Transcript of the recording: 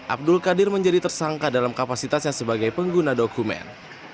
abdul qadir menjadi tersangka dalam kapasitasnya sebagai pengguna dokumen